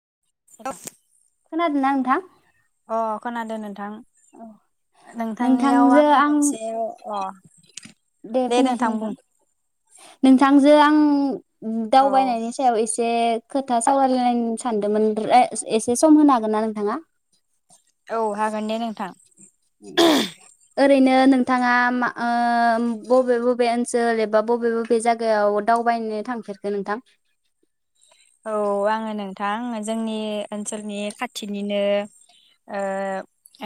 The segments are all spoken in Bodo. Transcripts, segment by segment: [unintelligible] खोनादोना‌ नोंथां? अ खोनादों नोंथां। नोंथांनियाव नोंथांजो आंहा आं मोनसे अ दे नोंथां बुं। थांजो आं औ दावबायनायनि सायाव एसे खोथा सावरायलायनो सानदोंमोन रे एसे सम होनो हागोन ना नोंथांङा? औ हागोन दे नोंथां। ओरैनो नोंथांङा मा ओ बबे बबे ओनसोल एबा बबे बबे जायगायाव दावबायनो थांफेरखो नोंथां? औ आङो नोंथां जोंनि ओनसोलनि खाथिनिनो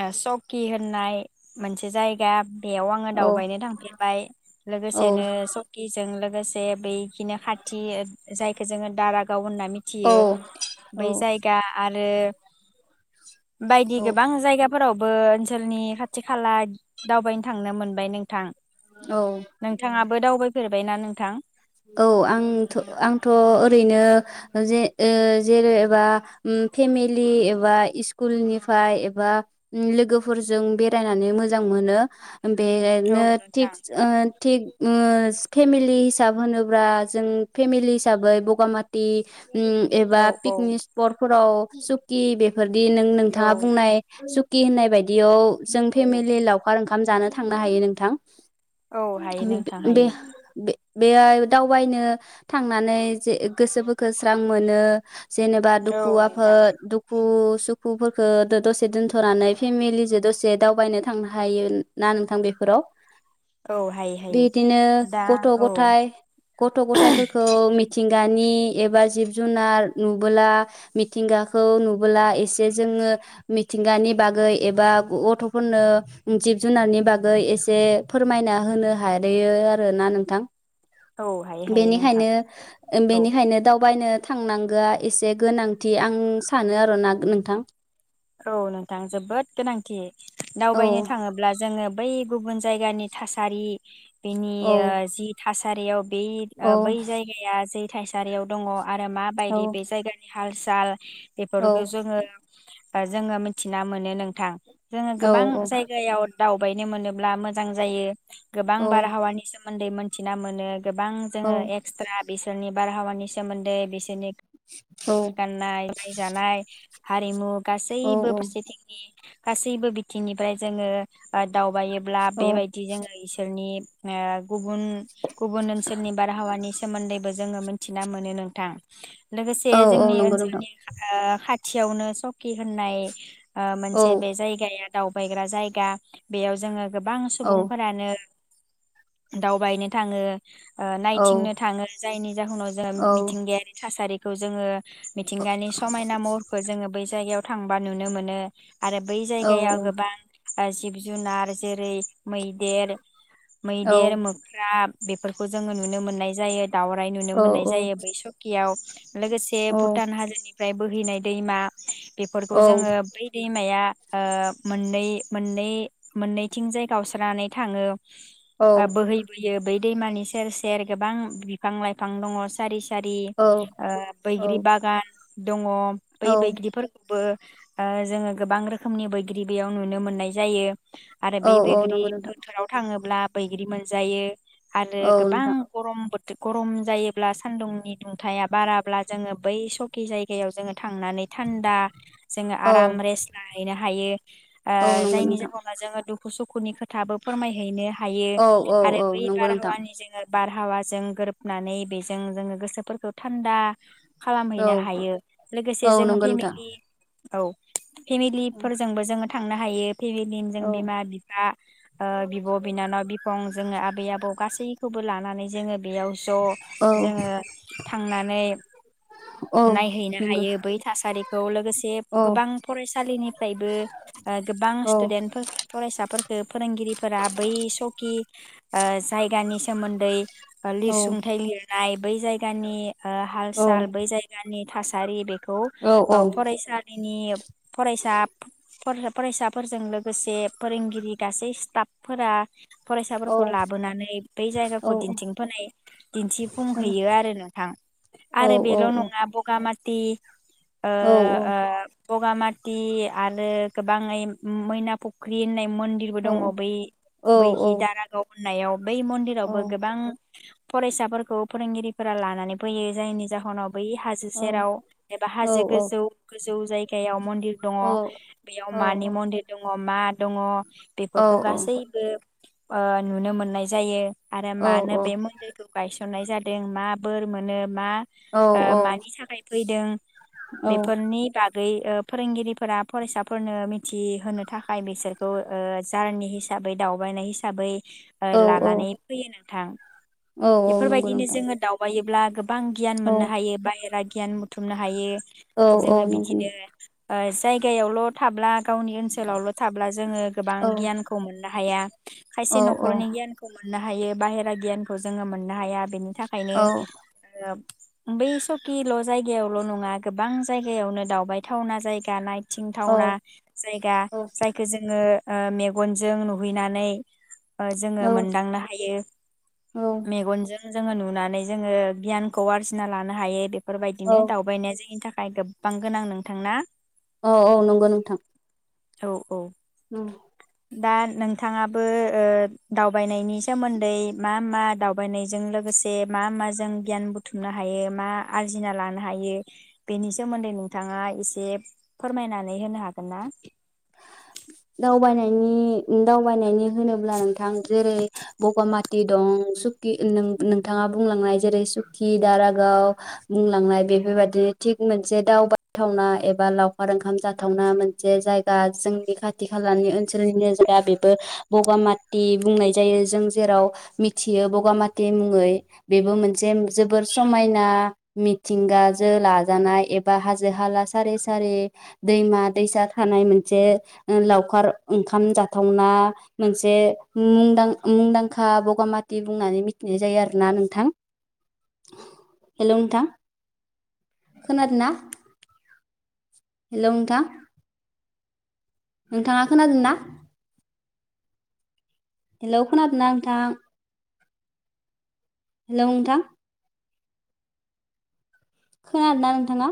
ओ सकि होननाय मोनसे जायगा बेयाव आंङो औ दावबायनो थांफेरबाय औ लोगोसेनो सकिजों लोगोसे बै खिनो खाथि जाय जोङो दाराग गाव होनना औ मिथियो। बै औ जायगा [unintelligible] बायदि औ गोबां जायगा फोरावबो ओनसोलनि खाथि खाला दावबायनो थांनो मोनबाय नोंथां। औ नोंथाङाबो दावबाय फेरबाय ना नोंथां? औ आंथ' आंथ' ओरैनो जे ओ जेरै एबा ओम फेमिलि एबा सस्कुलनिफ्राय एबा ओम लोगोफोरजों बेरायनानै मोजां मोनो। औ बेरायनो नोंथां थिगस ओ थिग ओम फेमिलिस हिसाब होनोब्ला जों फेमिलि हिसाबै बगामाथि ओम एबा औ औ पिकनिक स्पटफोराव सगखि बेेफार बि नों औ नोंथाङा बुंनाय सग खिनाय बायदि बिदियाव जों औ फेमिलि लावखार ओंखाम जानो थांनो हायो नोंथां। औ हायो नोंथां बे हायो। बे बेहाय दावबायनो थांनानै जे गोसोफोरखो स्रां मोनो जेनेबा औ दुखु नोंथां आफोद दुखु खु सुखुफोरखौ दसे दोन्थ'नानै फेमिलिजों दसे दावबायनो थांनो हायो ना नोंथां बेफोराव? औ हायो हायो। दा औ फाय गथ' गथफोरखौ मिथिंगानि एबा जिब जुनार नुबोला मिथिंगाखौ नुबोला एसे जोङो मिथिंगानि बागै एबा गथ'फोरनो ओ जिब जुनारनि बागै एसे फोरमायना होनो हादोयो आरोना नोंथां। औ हायो हायो नोंथां बेनिखायनो औ बेनिखायनो दावबायनो थांनांगोआ एसे गोनांथि आं सानो आरो ना नोंथां औ नोंथां जोबोद गोनांथि औ दावबायनो थाङोब्ला जोङो बै गुबुन जायगानि थासारि बेनि औ ओ जि थासारियाव बे औ ओ बै जायगाया जे थाइसारियाव दङ आरो औ माबायदि बे जायगानि हाल साल औ बेफोरखौ जोङो ओ जोङो मिथिना मोनो नोंथां। जोङो औ गोबां जायगायाव दाउ बायनो मोनोब्ला मोजां जायो। गोबां औ बारहावानि सो मोन्दै मोनथिना मोनो। गोबां औ जोङो एक्सट्रा बिसोरनि बारहावानि सोमोन्दै बिसोरनि गान्नाय [unintelligible] जानाय हारिमु गासैबो फारसेथिंनि गासैबो बिथिंनिफ्राय जोङो ओ दावबायो ब्ला औ बेबायदि जोङो इसोरनि ओ गुब गुबुन ओनसोलनि बारहावानि सोमोन्दैबो जोङो मिथिना मोनो नोंथां। लोगोसे औ औ जोंनि नंगौ नोंथां ओनसोलनि खा ओ खा थिआवनो स कि होन्नाय ओ औ मोनसे बे जायगाया दावबायग्रा जायगा बेयाव जोङो गोबां औ सुबुंफोरानो दावबायनो थाङो। ओ औ नायथिंनो थाङो जायनि जाहोनाव जों औ मिथिंगायारि थासारि खौ जोङो मिथिंगानि समायना महरखौ जोङो बै जायगायाव थांबा नुनो मोनो आरो बै औ जायगायाव औ गोबां ओ जिब जुनार जेरै मैदेर औ मैदेर, मोख्रा बेफोरखौ जोङो नुनो मोन्नाय जायो। दावराइ नुनो मोननाय जायो बै सखियाव लोगोसे भुटान हाजोनि ओमफ्राय बोहैनाय दैमा [inaudible] बेफोरखौ औ औ जोङो बै दै माया ओ मोननै मोननै मोननैथिंजाय गावस्रानानै थाङो। आ बोहैबोयो बै दैमानि सेर सेर गोबां बिफां लाइफां दङ सारि सारि ओ बैग्रि बागान दङ। बै बैग्रि बो ओ जोङो गोबां रोखोमनि बैग्रि बियाव नुनो मोननाय जायो। आरो बेै औ बैग्रि नंगौ नोंथां बोथोराव थाङोब्ला बैग्रि मोनजायो। आरो औ गोबां नोंथां गरम बो गरम जायोब्ला सान्दुंनि दुंथाया बाराब्ला जोङो बै सकि जायगायाव जोङो थांना थान्दा जोङो औ आराम रेस ला हैनो हायो। ओ औ नंगौ जायनि नोंथां जाहोनाव जोङो दु दखु सुखुनि खो थाबो फोरमायहैनो हायो औ औ आरो औ बै नंगौ नोंथां बारहावानि जोङो बारहावाजों गोरोबनानै बेजों जोङो गोसोफोरखौ थान्दा औ खालामहैनो हायो लोगोसे औ जों नंगौ नोंथां फेमिलि औ फेमिलिफोरजोंबो जोङो थांनो हायो। फेमिलि जों औ बिमा बिफा ओ बिब' बिनानाव बिफं जोङो आबै आबौ गासैखौ बो लानानै जोङो बेयाव औ ज' जोङो थांनानै औ नायहैनो नंगौ हायो बै हारिखौ लोगोसे औ गोबां फरायसालिनिफ्रायबो। ओ गोबां औ स्टुडेन्टफोरखौ फरायसाफोरफोरखौ फोरोंगिरिफोरा बै सकि ओ जायगानि सोमोन्दै औ लिरसुंथाइ लिरनाय, बै जायगानि ओ औ हाल-साल बै जायगानि थासारि बेखौ औ फरायसालिनिफ फरायसाफ फर-फरायसाफोरजों लोगोसे फोरोंगिरि गासै स्टाफफोरा औ फरायसाफोरखौ लाबोनानै, बै औ जायगाखौ दिन्थिंफोनाय दिन्थिफुंहैयो आरो नोंथां। आरो औ औ बेल नङा बगा मास दे ओ ओ बगामाथि आरो गोबाङै मैना फुख्रि होननाय मन्दिरबो दङ बै बै खि दारागाव होननायाव बै मन्दिरावबो गोबां फरायसाफोरखौ फोरोंगिरिफोरा लानानै फैयो जायनि जाहोनाव बै हाजो सेराव एबा हाजो गोजौ गोजौ जायगायाव मन्दिर दङ। औ अमा दङ। औ बेफोरखौ गासैबो ओह नुनो मोननाय जायो। आरो मानो बे मन्दिरखौ गायसन ननाय जादों मा बोर मोनो मा? ओह मानि थाखायथ फैदों। बेफोरनि बाग गै ओह फोरोंगिरिफोरा फरायसाफोरनो मिथिहोनो थाखाय बिसोरखौ ओह जारनि हिसाबै दावबायनाय हिसाबै ओह लानानै फैयोना थां नंगौ बेफोरबायदिनो नोंथां जोङो दावबायोब्ला बां गियान औ मोननो हायो बाहेरा गियान बुथुमनो हायो। औ औ जोङो बिदिनो ओह जायगायावल' थाब्ला गावनि ओनसोलावल थाब्ला जोङो गोबां गियानखौ मोननो हाया औ खायसे नखरनि गियानखौ मोन मोननो हायो बाहेरा गियानखौ जोङो मोननो हाया बेनि औ थाखायनो ओह बे सखि ल' जायगायावल' नङा। गोबां जायगायावनो दावबायथावना जायगा नाय औ थिंथावना जायगा जायखौ जोङो ओ मेगनजों नुहैनानै जोंङो मोनदांनो हायो। मेगनजों जोंङो नुनानै जोंङो गियानखौ आरजिना लानो हायो। बेफोरबायदिनो दावबायनाय जायो। नि थाखाय गोबां गोनां नोंथां ना? औ औ नंगौ नोंथां। औ औ औ दा नोंथाङाबो ओ दावबायनायनि सोमोन्दै मा मा दावबायनायजों लोगोसे मा माजों गियान बुथुमनो हायो मा आरजिना लानो हायो बेनि सोमोन्दै नोंथाङा एसे फोरमायनानै होनो हागोन ना? दावबायनायनि दावबायनायनि होनोब्ला नोंथां जेरै बगामा ति सुक सुकि नोंथाङा बुंलांनाय जेरै सुकि दारागाव बुंलांनाय बेफोरबायाददि थिग मोनसे दावबायाथावना एबा लावखार ओंखाम जाथावना मोनसे जाय गा जोंनि खाथि खालानि ओनसोलनिनो जाया बेबो बगामाथि बुंनाय जायो। जों जेराव मिथियो बगामाथि मुङै बेबो मोनसे जोबोर समायना मिथिंगाजों लाजानाय एबा हाजो हाला सारि-सारिे दैमा दैसा थानाय मोन मोनसे लावखार ओंखाम जाथावना मोनसे मुंदांखा बगामाथि बुंनानै मिथिनाय जायो आरोना नोंथां। हेलौ नोंथां। खोनादोंना? हेलौ नोंथां। नोंथाङा खोनादोंना? हेलौ खोनादोना नोंथां? हेलौ नोंथां। खोनादोंना नोंथाङा?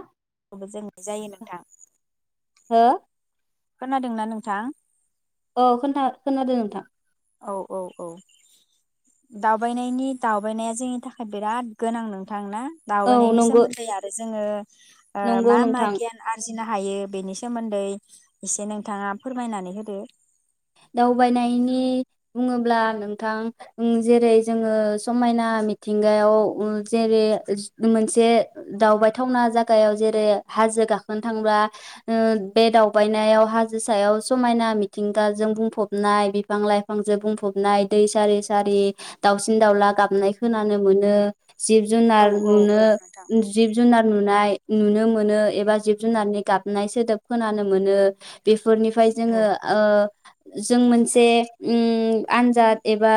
बेखौबो जों जायो नोंथां। हो? खोनादोंना नोंथां? औ खोनथा खोनादों नोंथां। औ औ औ दावबायनायनि दावबायनाया जोंनि थाखाय बिराद गोनां नोंथां ना? औ दावबायनायनि नंगौ सोमोन्दै आरो जों जोंङो ओ नंगौ मा मा नोंथां गियान आरजि [unintelligible] नो हायो बेनि सोमोन्दै एसे नोंथाङा फोरमायनानै होदो। दावबायनायनि बुङोब्ला नोंथां उ जेरै जोंङो समायना मिथिंगायाव ओ जेरै मोनसे दावबायथावना जागायाव जेरै हाजो गाखोनो थांब्ला ओ बे दावबायनायाव हाजो सायाव समायना मिथिं दाजों बुंफबनाय बिफां लायफांजों बुंफबनाय दै सारि सारि दाउसिन दाउला गाबनाय खोनानो मोनो। जिब औ जुनार औ नुनो औ नोंथां जिब जुनार नुनाय नुनो मोनो एबा जिब जुनारनि गाबनाय सोदोब खोनानो मोनो। बेफोरनिफ्राय औ जोंङो ओ जों मोनसे उम आनजाद एबा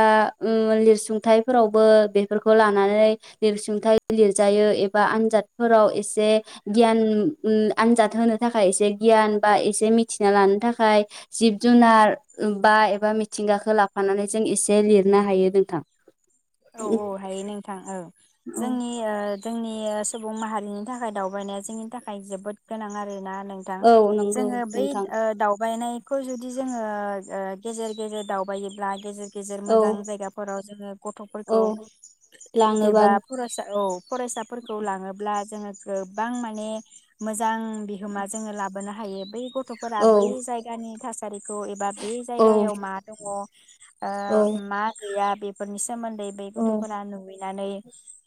उ लिरसुंथायफोरावबो बेफोरखौ लानानै लिरसुंथाय लिरजायो एबा आनजादफोराव एसे गियान उ आनजाद होनो थाखाय एसे गियान बा एसे मिथिना लानो थाखाय जिब जुनार बा एबा मिथिंगाखौ लाफानानै जों एसे लिरनो हायो नोंथां। औ औ हायो नोंथां ओ जोंनि ओ जोंनि [unintelligible] सुबुं माहारिनि थाखाय दावबायनाया जोंनि थाखाय जोबोद गोनां आरो ना। नोंथां औ नंगौ जोंङो बैद नोंथां ओ दावबायनाय खौ जुदि जोङो ओ गेजेर गेजेर दावबायोब्ला गेजे गेजेर औ मोजां जायगाफोराव जोङोब औ गथ'फोरखौ लाङोबा एबा फरायसा औ फरायसाफोरखौ लाङोब्ला जोङो गोबां माने मोजां बिहोमा जोङो लाबोनो हायो बै गथ गथ'फोरा औ बै जायगानि थास थ एबा बे औ जायगायाव मा दङ औ ओह मा गैया फोरनिस सोमोन्दै बे औ गथ'फोरा नुय नानै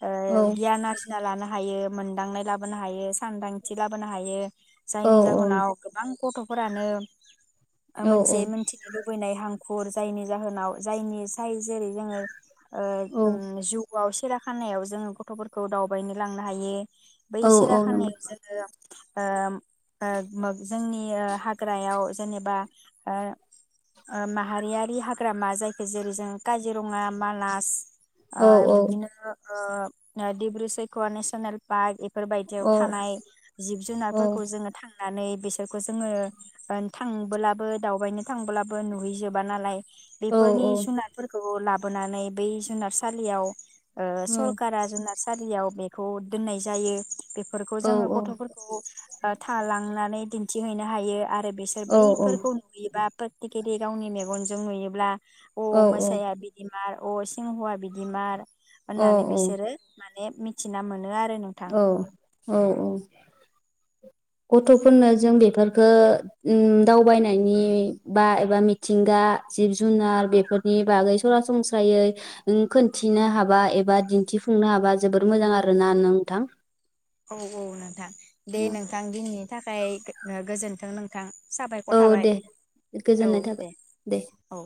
ओ औ गियान आरजिना लानो हायो मोनदांनाय लाबोनो हायो सांदांथि लाबोनो हायो। औ जायनि जाहोनाव गोबां गथ'फोरानो औ मोनसे मोनथिनो लुबैनाय हांख खर जायनि जाहोनाव जायनि जाय जेरै जोङो ओह औ उम जु वाव सिराखानायाव जोङो गथ'फोरखौ दावबायनो लांनो हायो। बै औ औ नंगौ सिराखानायाव जोङो ओम ओ मोग जोंनि ओ हाग्रायाव जेनेबा ओ ओ माहारियारि हाग्रामा जायखौ जेरै जों काजिरङा मानास ओ औ औ बिदिनो ओ दिब्रु सेखवा नेसनेल पार्क बेफोरबायदियाव औ थानाय जिब औ जुनारफोरखौ जोङो थाङो होननानै बिसोरखौ जोङो थांबोलाबो दावबायनो थांब्लाबो नुहैजोबा नालाय औ बेफोरनि औ जुनारफोरखौ ला लाबोनानै बै जुनारसालियाव ओह औ सरखारा जोंना सारियाव बेखौ दोननाय जायो बेफोरखौ जोङो औ गथ'फोरखौ थालांनानै थिंहैनो हायो आरो बिसोर औ बैफोरखौ नुयोबा प्रेथिकेलि गावनि मेगनजों नुयोब्ला अ मोसाया बि मार अ सिंहवा बिदि मार औ होननानै बिसोरो मा मिथिना मोनो आरो नोंथां औ औ औ गथ'फोरनो जों बेफोरफोरखौ उम दावबायनायनि बा एबा मिथिंगा जिब जुनार बेफोरनि बागै सरासनस्रायै खिन्थिनो हाबा एबा दिन्थिफुंनो हाबा जोबोर मोजां आरोना नोंथां औ औ नोंथां दे नोंथां दिनैनि थाखाय फ्राय गोजोन्थों नोंथां औ साबायखर थाबाय दे औ गोजोननाय थाबाय दे दे औ